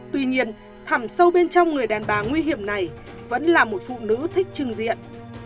tuy nhiên thẳng sâu bên trong người đàn bà nguy hiểm này vẫn là một phụ nữ thích trưng diện